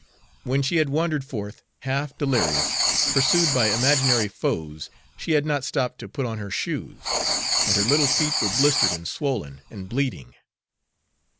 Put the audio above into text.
When she had wandered forth, half delirious, pursued by imaginary foes, she had not stopped to put on her shoes, and her little feet were blistered and swollen and bleeding.